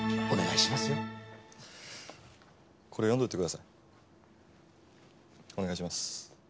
お願いします。